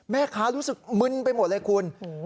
แม่ค้ารู้สึกมึนไปหมดเลยคุณโหหยุดสิ